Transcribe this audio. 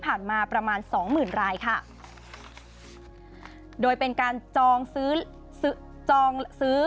มาประมาณสองหมื่นรายค่ะโดยเป็นการจองซื้อซื้อจองซื้อ